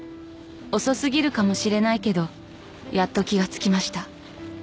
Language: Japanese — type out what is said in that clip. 「遅すぎるかもしれないけどやっと気が付きました」